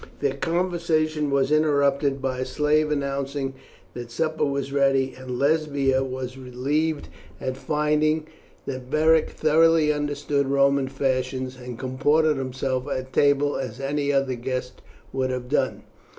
Their conversation was interrupted by a slave announcing that supper was ready, and Lesbia was relieved at finding that Beric thoroughly understood Roman fashions, and comported himself at table as any other guest would have done.